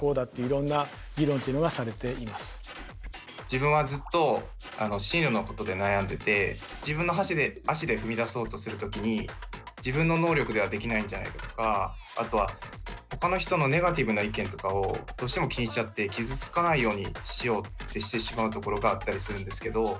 自分はずっと進路のことで悩んでて自分の足で踏み出そうとする時に自分の能力ではできないんじゃないかとかあとはほかの人のネガティブな意見とかをどうしても気にしちゃって傷つかないようにしようってしてしまうところがあったりするんですけど。